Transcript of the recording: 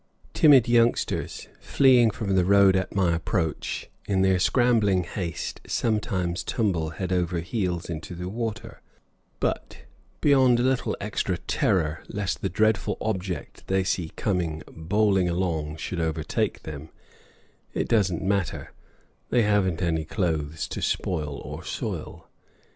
Timid youngsters, fleeing from the road at my approach, in their scrambling haste sometimes tumble "head over heels" in the water; but, beyond a little extra terror lest the dreadful object they see coming bowling along should overtake them, it doesn't matter they haven't any clothes to spoil or soil.